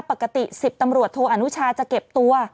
ปกติ๑๐ตำรวจโทอนุชาจะเก็บตัว